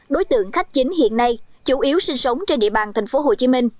đối tượng khách chính hiện nay chủ yếu sinh sống trên địa bàn thành phố hồ chí minh